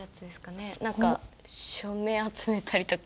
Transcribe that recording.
何か署名集めたりとか。